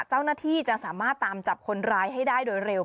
เจ้าหน้าที่จะสามารถตามจับคนร้ายให้ได้โดยเร็ว